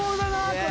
これ。